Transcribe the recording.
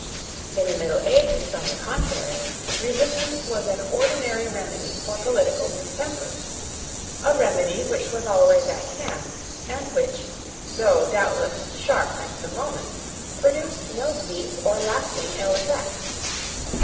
In the middle ages, on the contrary, resistance was an ordinary remedy for political distempers, a remedy which was always at hand, and which, though doubtless sharp at the moment, produced no deep or lasting ill effects.